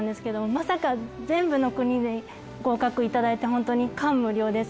まさか全部の国で合格頂いてホントに感無量です